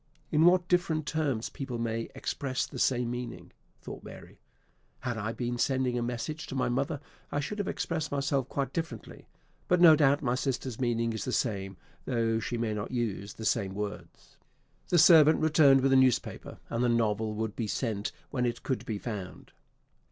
"In what different terms people may express the same meaning," thought Mary; "had I been sending a message to my mother, I should have expressed myself quite differently; but no doubt my sister's meaning is the same, though she may not use the same words." The servant returned with the newspaper, and the novel would be sent when it could be found.